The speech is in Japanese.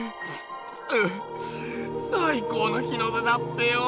ううっ最高の日の出だっぺよ。